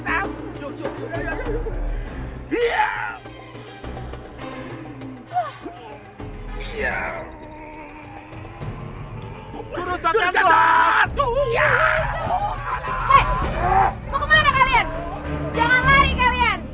kalian jangan lari kalian